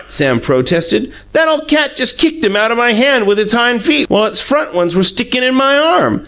Sam protested. "That ole cat just kicked 'em out o' my hand with its hind feet while its front ones were stickin' in my arm.